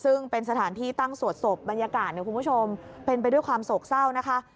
ซึ่งเป็นสถานที่ตั้งสวดศพบรรยากาศเนี่ยคุณผู้ชมเป็นไปด้วยความโศกเศร้านะคะ